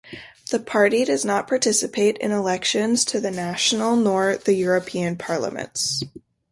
The party does not participate in elections to the national nor the European parliaments.